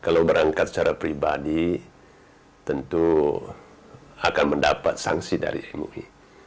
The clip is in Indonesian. jika kita berangkat secara pribadi tentu akan mendapat sanksi dari mumi